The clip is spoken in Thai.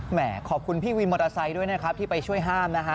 ขอบคุณพี่วินมอเตอร์ไซค์ด้วยนะครับที่ไปช่วยห้ามนะฮะ